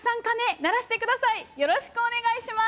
よろしくお願いします。